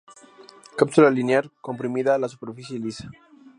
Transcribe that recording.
Cápsula linear, comprimida, la superficie lisa.